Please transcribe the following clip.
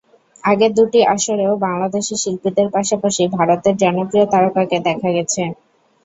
আগের দুটি আসরেও বাংলাদেশের শিল্পীদের পাশাপাশি ভারতের জনপ্রিয় তারকাকে দেখা গেছে।